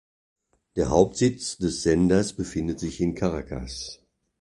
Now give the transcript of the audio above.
Der Hauptsitz des Senders befindet sich in Caracas.